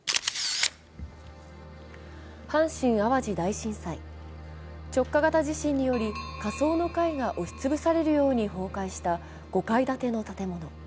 阪神・淡路大震災、直下型地震により下層の階が押し潰されるように崩壊した５階建ての建物。